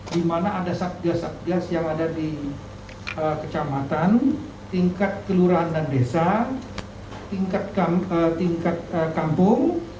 di mana ada satgas satgas yang ada di kecamatan tingkat kelurahan dan desa tingkat kampung